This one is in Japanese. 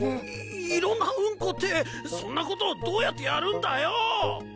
いろんなウンコってそんなことどうやってやるんだよ？